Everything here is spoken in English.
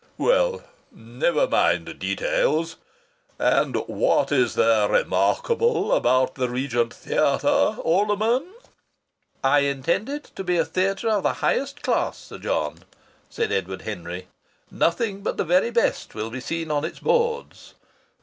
Well, never mind details.... And what is there remarkable about the Regent Theatre, Alderman?" "I intend it to be a theatre of the highest class, Sir John," said Edward Henry. "Nothing but the very best will be seen on its boards."